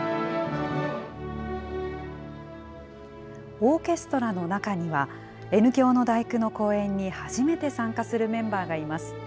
オーケストラの中には、Ｎ響の第九の公演に初めて参加するメンバーがいます。